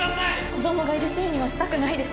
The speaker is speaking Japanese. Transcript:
「子供がいるせいにはしたくないです」